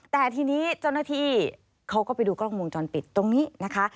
แต่ทีนี้เจ้าหน้าที่เขาก็ไปดูกล้องวงจรปิดตรงนี้นะคะ